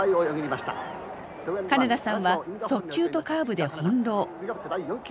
金田さんは速球とカーブで翻弄。